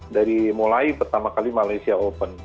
dari mulai pertama kali malaysia open